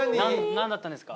何だったんですか？